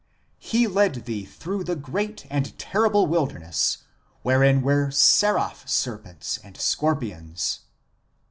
who led thee through the great and terrible wilderness wherein were seraph serpents and scorpions.